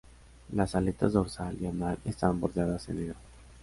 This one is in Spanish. Las aletas dorsal y anal están bordeadas en negro.